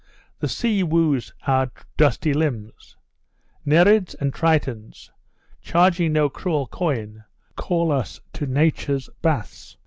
The sea woos our dusty limbs: Nereids and Tritons, charging no cruel coin, call us to Nature's baths.